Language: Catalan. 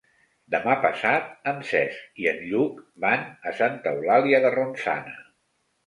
Demà passat en Cesc i en Lluc van a Santa Eulàlia de Ronçana.